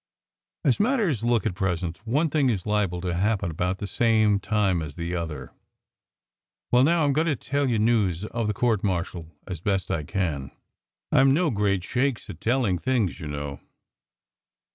As matters look at pres ent, one thing is liable to happen about the same time as the other. Well, now I m going to tell you news of the court martial as best I can. I m no great shakes at telling things, you know.